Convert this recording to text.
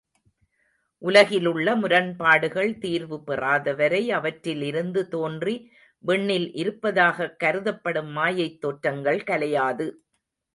உலகிலுள்ள முரண்பாடுகள் தீர்வு பெறாதவரை, அவற்றில் இருந்து தோன்றி விண்ணில் இருப்பதாகக் கருதப்படும் மாயைத் தோற்றங்கள் கலையாது.